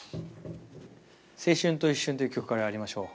「青春と一瞬」という曲からやりましょう。